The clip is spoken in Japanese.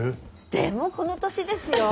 でもこの年ですよ。